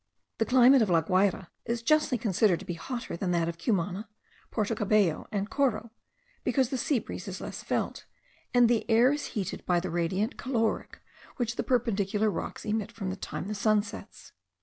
The climate of La Guayra is justly considered to be hotter than that of Cumana, Porto Cabello, and Coro, because the sea breeze is less felt, and the air is heated by the radiant caloric which the perpendicular rocks emit from the time the sun sets.